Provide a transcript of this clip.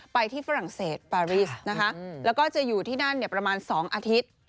ไปที่ฝรั่งเศสปารีสนะคะแล้วก็จะอยู่ที่นั่นประมาณ๒อาทิตย์